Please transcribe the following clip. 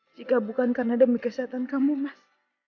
jika bukan karena demi kesehatan kamu mas